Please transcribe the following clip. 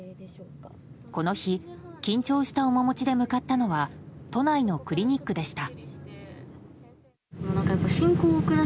この日、緊張した面持ちで向かったのは都内のクリニックでした。